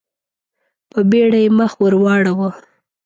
په بېړه يې مخ ور واړاوه.